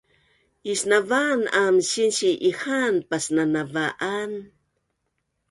Isnavaan aam sinsi ihaan pasnanava’an